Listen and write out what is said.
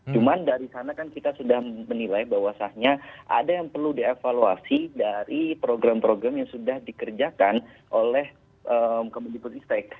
cuma dari sana kan kita sudah menilai bahwasannya ada yang perlu dievaluasi dari program program yang sudah dikerjakan oleh kementerian peristek